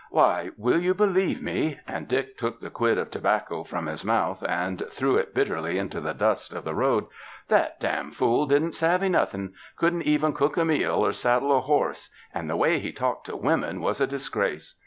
Why, will you believe me," and Dick took the quid of tobacco from his mouth and threw it bitterly into the dust of the road, "that damn fool didn't savvy nothing — couldn't even cook a meal or saddle a horse, and the way he talked to women was a disgrace.